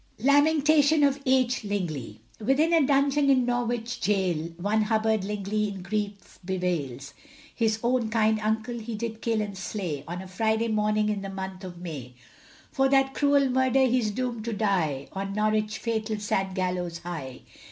LAMENTATION OF H. LINGLEY. Within a dungeon in Norwich gaol, One Hubbard Lingley in grief bewails, His own kind uncle he did kill and slay, On a Friday morning in the month of May. For that cruel murder he's doomed to die On Norwich fatal sad gallows high.